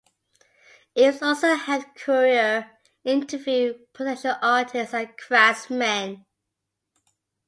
Ives also helped Currier interview potential artists and craftsmen.